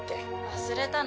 忘れたの？